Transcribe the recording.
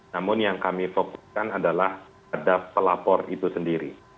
namun yang kami fokuskan adalah ada pelapor itu sendiri